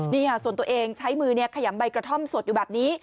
นี่ค่ะส่วนตัวเองใช้มือขยำใบกระท่อมสดอยู่แบบนี้